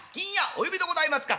「お呼びでございますか」。